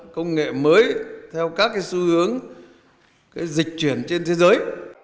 công nghệ mới theo các xu hướng dịch chuyển trên thế giới